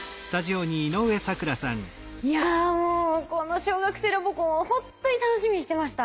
いやもうこの小学生ロボコンを本当に楽しみにしてました。